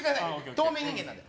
透明人間なんで。